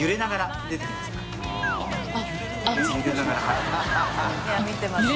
いや見てますよ。